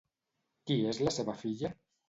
Qui és la seva filla?